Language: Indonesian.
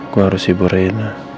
gue harus sibuk reina